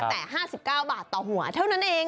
แต่๕๙บาทต่อหัวเท่านั้นเอง